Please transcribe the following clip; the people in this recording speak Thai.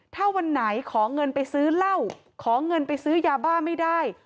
ถ้าวันไหนขอเงินไปซื้อเหล้าขอเงินไปซื้อยาบ้าไม่ได้